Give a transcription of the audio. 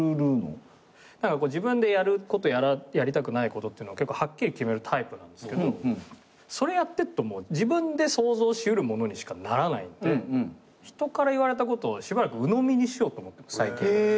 何か自分でやることやりたくないことってはっきり決めるタイプなんですけどそれやってるともう自分で想像しうるものにしかならないんで人から言われたことをしばらくうのみにしようと思って最近。